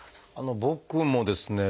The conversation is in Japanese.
僕もですね